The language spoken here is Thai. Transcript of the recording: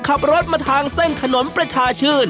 ขับรถมาทางเส้นถนนประชาชื่น